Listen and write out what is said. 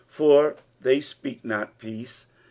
For they apeak jwt peace."